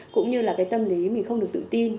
cũng như là cái tâm lý mình không được tự tin